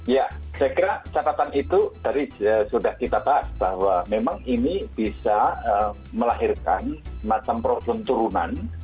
ya saya kira catatan itu tadi sudah kita bahas bahwa memang ini bisa melahirkan macam problem turunan